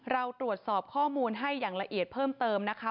เราตรวจสอบข้อมูลให้อย่างละเอียดเพิ่มเติมนะคะ